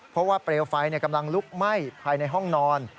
เพราะว่าเปลวไฟกำลังลุกไหม้ภายในห้องนอน